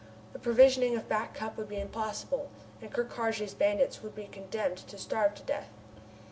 The provisioning of Back Cup would be impossible, and Ker Karraje's bandits would be condemned to starve to death!